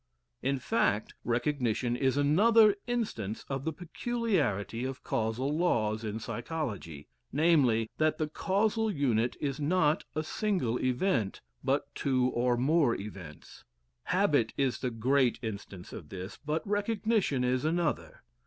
In fact, recognition is another instance of the peculiarity of causal laws in psychology, namely, that the causal unit is not a single event, but two or more events Habit is the great instance of this, but recognition is another.